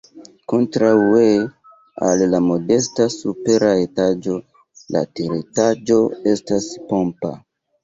Kontraŭe al la modesta supera etaĝo la teretaĝo estas pompa.